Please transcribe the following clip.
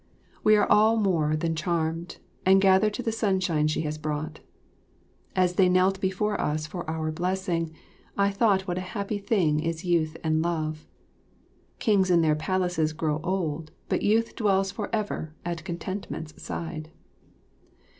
We are all more than charmed, and gather to the sunshine she has brought. As they knelt before us for our blessing, I thought what a happy thing is youth and love. "Kings in their palaces grow old, but youth dwells forever at contentment's side."